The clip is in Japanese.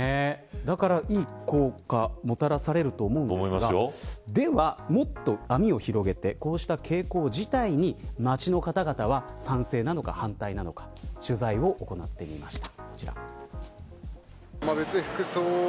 だから、いい効果がもたらされと思うんですがでは、もっと網を広げてこうした傾向自体に、街の方々は賛成なのか反対なのか取材を行ってきました。